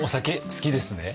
好きです。